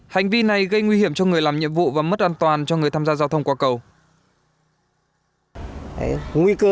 hành vi này gây nguy hiểm cho người làm nhiệm vụ và mất an toàn cho người tham gia giao thông qua cầu